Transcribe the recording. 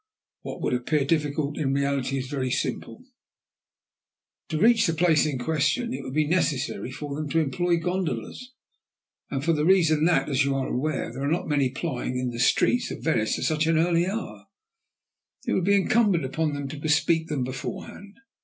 "What would appear difficult, in reality is very simple. To reach the place in question it would be necessary for them to employ gondolas, and for the reason that, as you are aware, there are not many plying in the streets of Venice at such an early hour, it would be incumbent upon them to bespeak them beforehand.